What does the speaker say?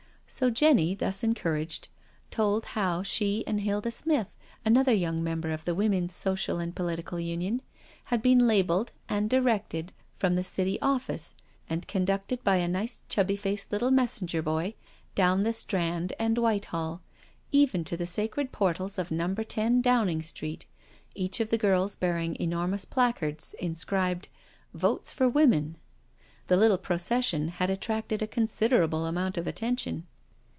So Jenny, thus encouraged, told how she and Hilda Smith, another young member of the Women's Social and Political Union, had been labelled and directed from the City office, and conducted by a nice chubby faced little messenger boy down the Strand and Whitehall, even to the sacred portals of Number i o Downing Street, each of the girls bearing enormous placards inscribed " Votes for Women." The little procession had attracted a considerable amount of at tention.